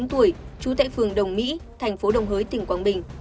trú tại phường đồng mỹ thành phố đồng hới tỉnh quảng bình